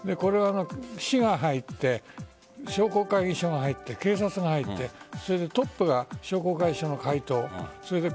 市が入って商工会議所が入って警察が入ってトップが商工会議所の会頭。